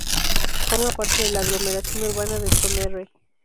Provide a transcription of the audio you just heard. Forma parte de la aglomeración urbana de Tonnerre.